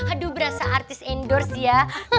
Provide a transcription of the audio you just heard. aduh berasa artis endorse dia